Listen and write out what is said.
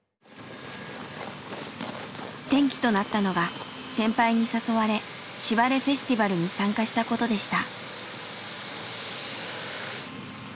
転機となったのが先輩に誘われ「しばれフェスティバル」に参加したことでした。